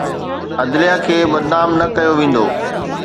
عدليه کي بدنام نه ڪيو ويندو.